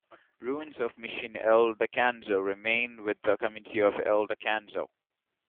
Ruins of Misión El Descanso remain within the community of El Descanso.